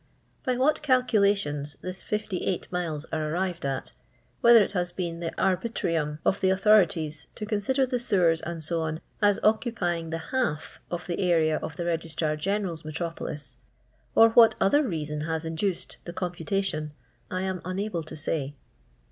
By what calculations this 58 miles are arrived at, whether it has been the arhi trium of the authorities to consider the sewers, &c., as occupying the half of the area of the Regis trar (General's metropolis, or what other reason has induced the computation, I am unable to say.